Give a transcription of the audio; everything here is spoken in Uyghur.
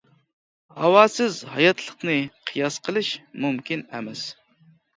ھاۋاسىز ھاياتلىقنى قىياس قىلىش مۇمكىن ئەمەس.